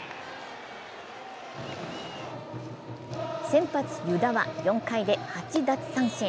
先発・湯田は４回で８奪三振。